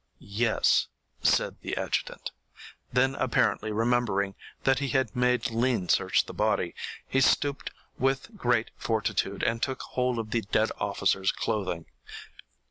"Yes," said the adjutant. Then apparently remembering that he had made Lean search the body, he stooped with great fortitude and took hold of the dead officer's clothing.